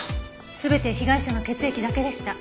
全て被害者の血液だけでした。